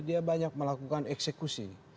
dia banyak melakukan eksekusi